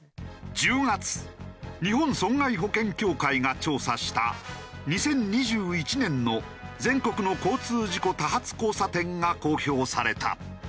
１０月日本損害保険協会が調査した２０２１年の全国の交通事故多発交差点が公表された。